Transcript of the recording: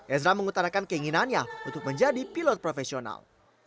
ezra mengutarakan keinginannya untuk menjadi pilot profesional